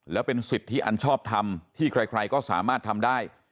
แล้วเป็นสิทธิอันชอบทำที่ใครก็สามารถทำได้